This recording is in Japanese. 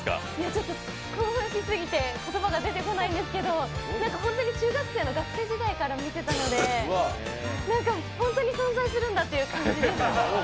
ちょっと興奮しすぎて言葉が出てこないんですけど本当に中学生の学生時代から見てたので、なんかホントに存在するんだって感じです。